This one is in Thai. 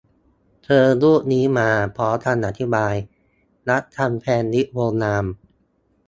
เจอรูปนี้มา พร้อมคำอธิบาย "รับทำ แซนวิชโบราณ"